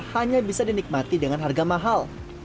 hanya bisa dinikmati dengan harga mahal